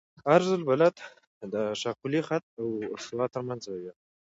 عرض البلد د شاقولي خط او استوا ترمنځ زاویه ده